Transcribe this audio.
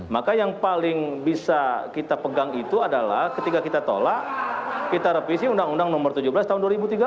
maka yang paling bisa kita pegang itu adalah ketika kita tolak kita revisi undang undang nomor tujuh belas tahun dua ribu tiga belas